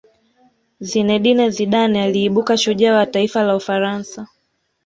zinedine zidane aliibuka shujaa wa taifa la ufaransa